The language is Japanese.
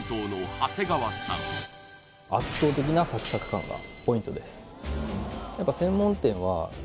圧倒的なサクサク感がポイントです